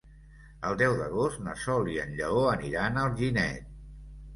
El deu d'agost na Sol i en Lleó aniran a Alginet.